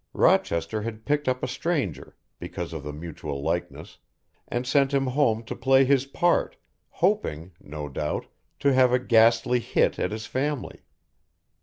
Rochester had picked up a stranger, because of the mutual likeness, and sent him home to play his part, hoping, no doubt, to have a ghastly hit at his family.